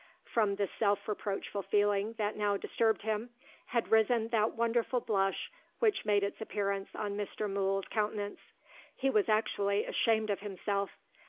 From the self reproachful feeling that now disturbed him, had risen that wonderful blush which made its appearance on Mr. Mool's countenance. He was actually ashamed of himself.